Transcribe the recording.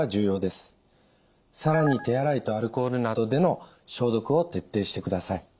更に手洗いとアルコールなどでの消毒を徹底してください。